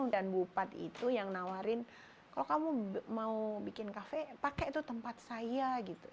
dan bupat itu yang nawarin kalau kamu mau bikin kafe pakai itu tempat saya gitu